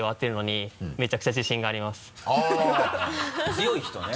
強い人ね。